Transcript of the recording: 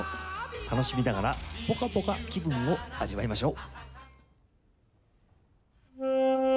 楽しみながらポカポカ気分を味わいましょう。